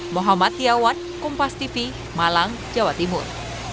mohamad tiawan kompastv malang jawa timur